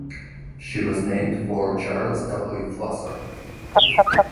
She was named for Charles W. Flusser.